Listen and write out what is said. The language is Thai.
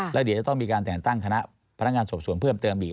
แล้วเดี๋ยวจะต้องมีการแต่งตั้งคณะพนักงานสอบส่วนเพิ่มเติมอีก